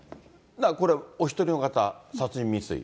これ、お一人の方、殺人未遂。